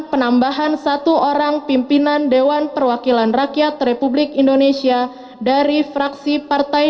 penambahan satu orang pimpinan dewan perwakilan rakyat republik indonesia dari fraksi partai